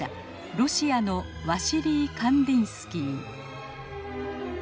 ロシアのワシリー・カンディンスキー。